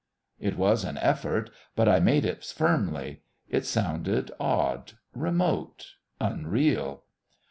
It was an effort; but I made it firmly. It sounded odd, remote, unreal.